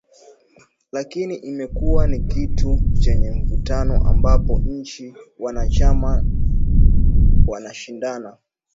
Lakini imekuwa ni kitu chenye mvutano ambapo nchi wanachama wanashindana